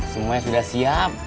semuanya sudah siap